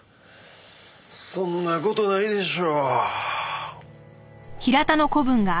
そんな事ないでしょ。